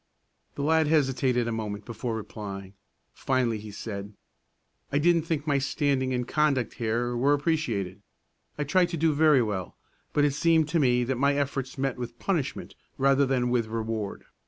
The lad hesitated a moment before replying. Finally he said, "I didn't think my standing and conduct here were appreciated. I tried to do very well, but it seemed to me that my efforts met with punishment rather than with reward.